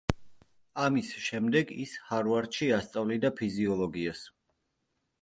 ამის შემდეგ ის ჰარვარდში ასწავლიდა ფიზიოლოგიას.